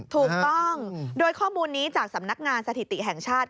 ถูกต้องโดยข้อมูลนี้จากสำนักงานสถิติแห่งชาติ